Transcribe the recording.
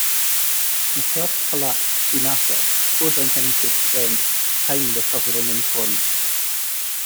His health collapsed soon after, forcing him to spend time recovering in Cornwall.